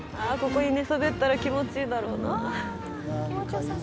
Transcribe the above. ここに寝そべったら気持ちいいだろうな